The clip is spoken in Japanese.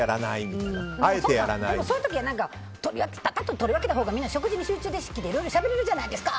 でもそういう時はパパッと取り分けたほうが食事に集中できていろいろしゃべれるじゃないですか！